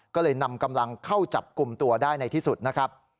ก็เลยนำกำลังเข้าจับกลุ่มตัวได้ในที่สุดนะครับ